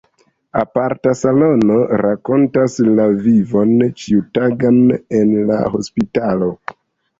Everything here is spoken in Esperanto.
Aparta salono rakontas la vivon ĉiutagan en la hospitalo.